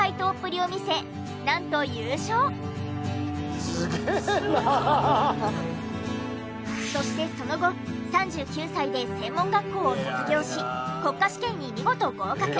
そこでそしてその後３９歳で専門学校を卒業し国家試験に見事合格。